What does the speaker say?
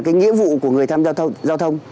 cái nghĩa vụ của người tham gia giao thông